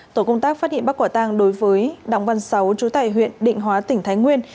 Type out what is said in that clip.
tổ công tác phát hiện bắt quả tang đối với đóng văn sáu chủ tải huyện định hóa tỉnh thái nguyên